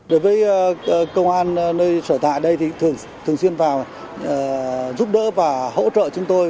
đối với công an nơi sở tại đây thì thường thường xuyên vào giúp đỡ và hỗ trợ chúng tôi